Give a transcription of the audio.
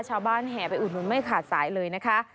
แห่ไปอุดหนุนไม่ขาดสายเลยนะคะ